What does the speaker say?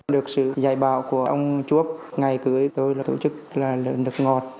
được sự giải bảo của ông chuốc ngày cưới tôi là tổ chức lợi lực ngọt